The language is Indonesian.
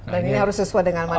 dan ini harus sesuai dengan manifest